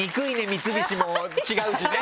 三菱」も違うしね。